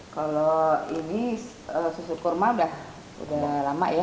kalau ini susu kurma udah lama ya